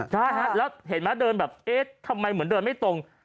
ใช่ฮะแล้วเห็นไหมเดินแบบเอ๊ะทำไมเหมือนเดินไม่ตรง